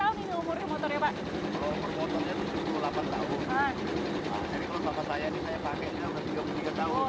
umur motornya tujuh puluh delapan tahun